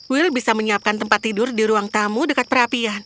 will bisa menyiapkan tempat tidur di ruang tamu dekat perapian